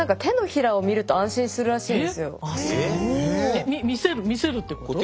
何か人間見せる見せるってこと？